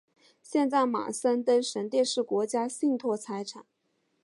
现在马森登神殿是国家信托财产。